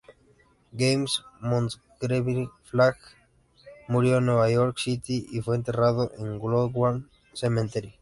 James Montgomery Flagg murió en New York City y fue enterrado en Woodlawn Cemetery.